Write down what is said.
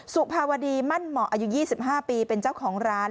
สุภาวดีมั่นเหมาะอายุ๒๕ปีเป็นเจ้าของร้าน